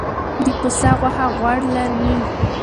د پسه غوښه غوړ لري.